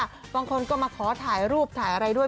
บางคนก็มาขอถ่ายรูปถ่ายอะไรด้วย